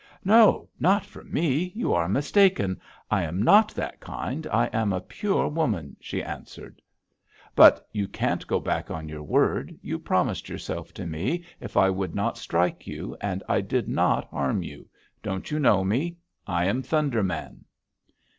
"'No, not for me! You are mistaken. I am not that kind; I am a pure woman,' she answered. "'But you can't go back on your word. You promised yourself to me if I would not strike you, and I did not harm you. Don't you know me? I am Thunder Man.'